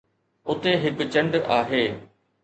اتي هڪ چنڊ آهي